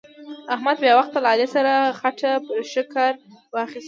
احمد بې وخته له علي سره خټه پر ښکر واخيسته.